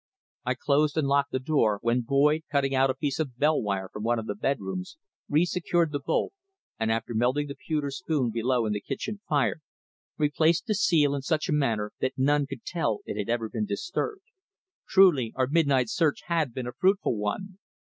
I closed and locked the door, when Boyd, cutting out a piece of bell wire from one of the bedrooms, re secured the bolt, and after melting the pewter spoon below in the kitchen fire, replaced the seal in such a manner that none could tell it had ever been disturbed. Truly our midnight search had been a fruitful one.